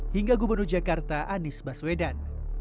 hingga gubernur jakarta anies baswedan